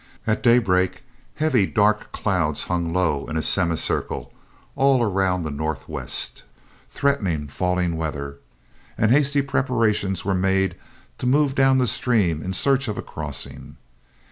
At daybreak heavy dark clouds hung low in a semicircle all around the northwest, threatening falling weather, and hasty preparations were made to move down the stream in search of a crossing.